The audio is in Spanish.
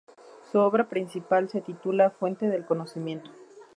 Su obra principal se titula "Fuente del conocimiento".